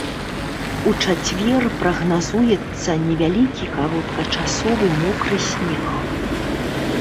У чацвер прагназуецца невялікі кароткачасовы мокры снег.